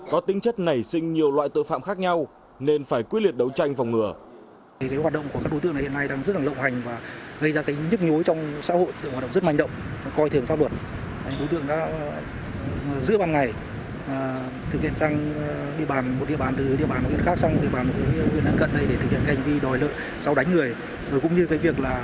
có tính chất nảy sinh nhiều loại tội phạm khác nhau nên phải quyết liệt đấu tranh phòng ngừa